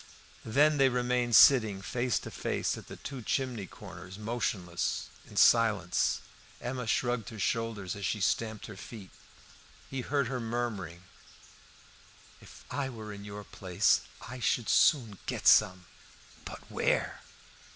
Then they remained sitting face to face at the two chimney corners, motionless, in silence. Emma shrugged her shoulders as she stamped her feet. He heard her murmuring "If I were in your place I should soon get some." "But where?"